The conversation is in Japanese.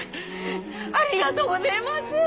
ありがとうごぜます！